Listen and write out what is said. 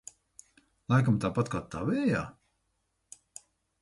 Laikam tāpat kā tavējā?